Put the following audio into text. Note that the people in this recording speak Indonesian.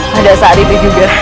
pada saat itu juga